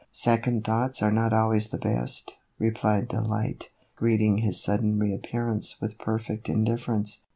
" Second thoughts are not always the best," re plied Delight, greeting his sudden reappearance with perfect indifference.